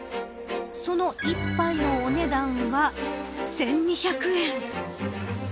その１杯のお値段は１２００円。